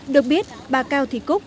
được biết bà cao thị cúc